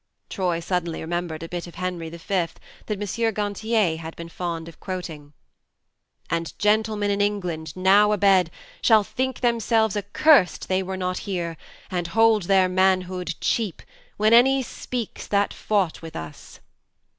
..." Troy suddenly remembered a bit of Henry V. that M. Gantier had been fond of quoting : And gentlemen in England now abed Shall think themselves accurst they were not here, 32 THE MARNE And hold their manhood cheap, when any speaks That fought with us.